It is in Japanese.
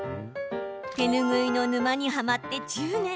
手ぬぐいの沼にはまって１０年。